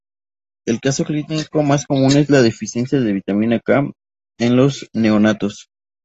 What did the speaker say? El caso clínico más común es la deficiencia de vitamina K en los neonatos.